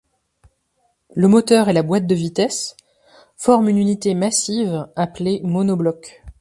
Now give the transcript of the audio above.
Le moteur et la boîte de vitesses forment une unité massive appelée monobloc.